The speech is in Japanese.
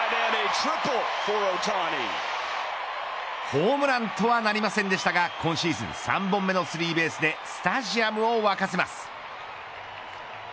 ホームランとはなりませんでしたが今シーズン３本目のスリーベースでスタジアムを沸かせます。